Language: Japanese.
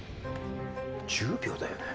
１０秒だよね？